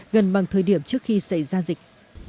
gần bằng thời điểm trước khi xảy ra dịch